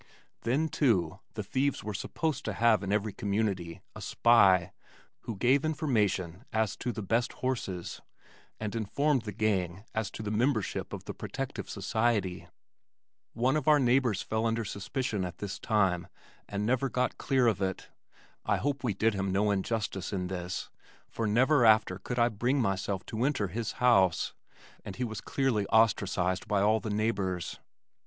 Then, too, the thieves were supposed to have in every community a spy who gave information as to the best horses, and informed the gang as to the membership of the Protective Society. One of our neighbors fell under suspicion at this time and never got clear of it. I hope we did him no injustice in this for never after could I bring myself to enter his house, and he was clearly ostracized by all the neighbors.